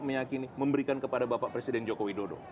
meyakini memberikan kepada bapak presiden joko widodo